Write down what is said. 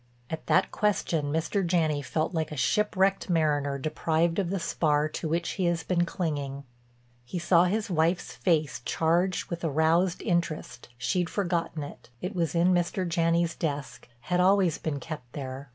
At that question Mr. Janney felt like a shipwrecked mariner deprived of the spar to which he has been clinging. He saw his wife's face charged with aroused interest—she'd forgotten it, it was in Mr. Janney's desk, had always been kept there.